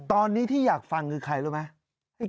ตอนนี้ที่อยากฟังคือใครรู้ไหม